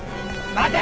待て！